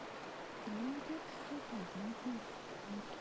Tellamt tessuṭṭuḍemt yessi-twent.